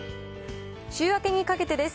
週明けにかけてです。